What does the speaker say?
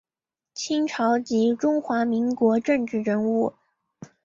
清朝及中华民国政治人物。